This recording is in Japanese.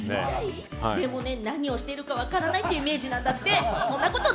裏で何をしてるかわからないってイメージなんだって。